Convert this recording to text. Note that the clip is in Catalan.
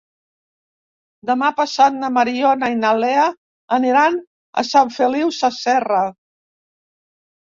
Demà passat na Mariona i na Lea aniran a Sant Feliu Sasserra.